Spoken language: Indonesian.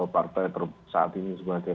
partai saat ini sebagai